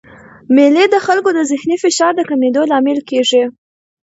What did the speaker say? مېلې د خلکو د ذهني فشار د کمېدو لامل کېږي.